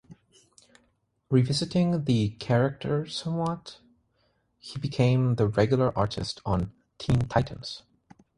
Revisiting the character somewhat, he became the regular artist on "Teen Titans".